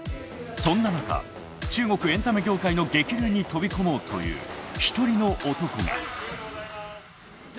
そんな中中国エンタメ業界の激流に飛び込もうという一人の男が。